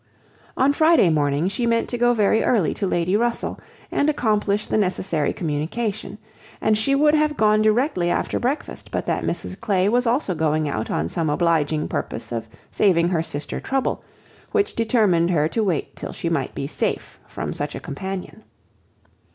On Friday morning she meant to go very early to Lady Russell, and accomplish the necessary communication; and she would have gone directly after breakfast, but that Mrs Clay was also going out on some obliging purpose of saving her sister trouble, which determined her to wait till she might be safe from such a companion.